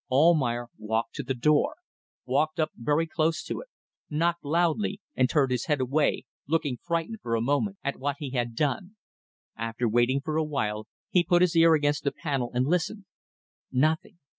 Almayer walked to the door, walked up very close to it, knocked loudly, and turned his head away, looking frightened for a moment at what he had done. After waiting for a while he put his ear against the panel and listened. Nothing.